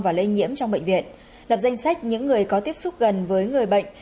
và lây nhiễm trong bệnh viện lập danh sách những người có tiếp xúc gần với người bệnh